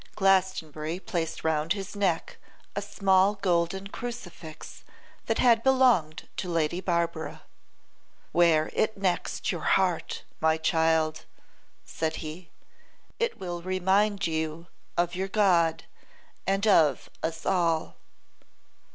Glastonbury placed round his neck a small golden crucifix that had belonged to Lady Barbara. 'Wear it next your heart, my child,' said he; 'it will remind you of your God, and of us all.